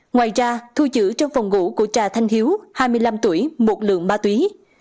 ngoài ra thu giữ trong phòng ngủ của trà thanh hiếu hai mươi năm tuổi một lượng ma túy